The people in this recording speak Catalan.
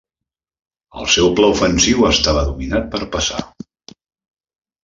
El seu pla ofensiu estava dominat per passar.